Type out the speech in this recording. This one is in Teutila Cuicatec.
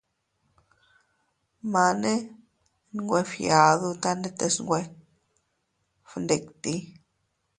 Mane nwe fgiaduta ndetes nwe fgnditi.